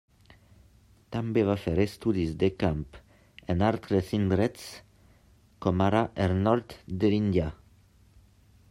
També va fer estudis de camp en altres indrets, com ara el nord de l'Índia.